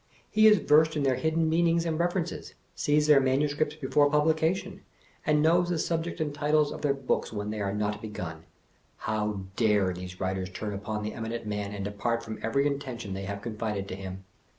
He is versed in their hidden meanings and refer ences, sees their manuscripts before publication, and knows the subjects and titles of their books when they are not be gun. How dare those writers turn upon the eminent man and depart from every intention they have confided to him?